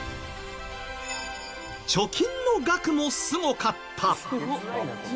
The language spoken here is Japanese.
貯金の額もすごかった。